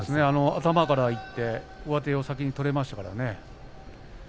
頭からいって上手を先に取れましたからね。